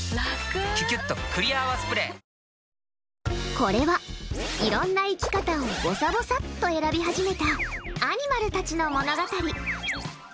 これは、いろんな生き方をぼさぼさっと選び始めたアニマルたちの物語。